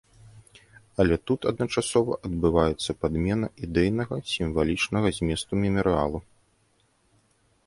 Але тут адначасова адбываецца падмена ідэйнага, сімвалічнага зместу мемарыялу.